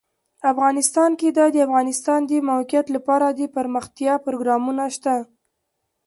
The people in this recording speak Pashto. افغانستان کې د د افغانستان د موقعیت لپاره دپرمختیا پروګرامونه شته.